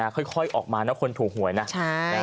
ค่อยออกมาแล้วคนถูงหวยนะ